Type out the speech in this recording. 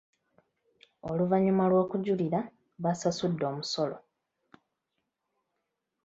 Oluvannyuma lw'okujulira baasasudde omusolo.